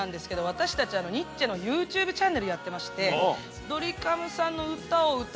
私達あのニッチェのＹｏｕＴｕｂｅチャンネルやってましてえ！